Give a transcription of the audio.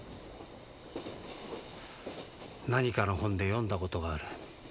何かの本で読んだことがある。